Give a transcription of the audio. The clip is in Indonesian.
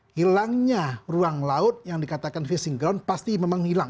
hilangnya ruang laut yang dikatakan facing ground pasti memang hilang